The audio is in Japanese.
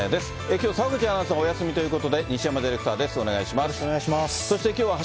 きょう、澤口アナがお休みということで、西山ディレクターです。